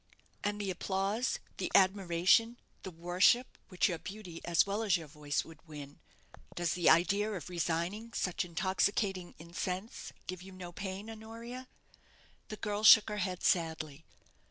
"And the applause, the admiration, the worship, which your beauty, as well as your voice, would win does the idea of resigning such intoxicating incense give you no pain, Honoria?" The girl shook her head sadly.